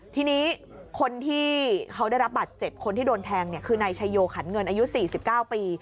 ทีนี้คนที่เขาได้รับบัตรเจ็บคนที่โดนแทงคือนายชายโยขันเงินอายุ๔๙ปี